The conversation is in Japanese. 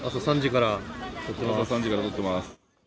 朝３時から取ってます。